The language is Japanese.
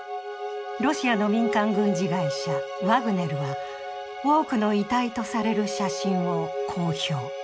ロシアの民間軍事会社、ワグネルは多くの遺体とされる写真を公表。